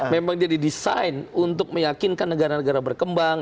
memang dia didesain untuk meyakinkan negara negara berkembang